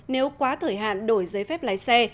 nếu quá thời hạn đổi giấy phép lái xe